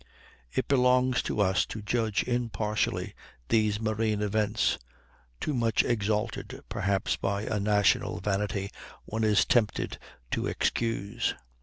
"It belongs to us to judge impartially these marine events, too much exalted perhaps by a national vanity one is tempted to excuse.